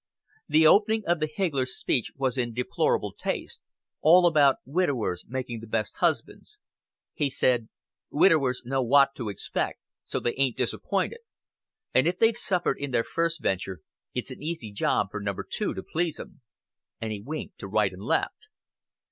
The opening of the higgler's speech was in deplorable taste all about widowers making the best husbands. He said, "Widowers know what to expect; so they ain't disappointed. And if they've suffered in their first venture, it's an easy job for Number Two to please 'em;" and he winked to right and left.